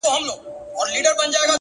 تا حوا اومه خوړلې، پخوم یې زه تنوره